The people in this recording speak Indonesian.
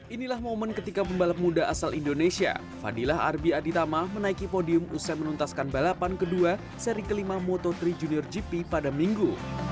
inilah momen ketika pembalap muda asal indonesia fadilah arbi aditama menaiki podium usai menuntaskan balapan kedua seri kelima moto tiga junior gp pada minggu